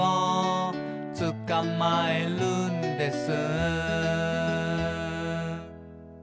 「つかまえるんです」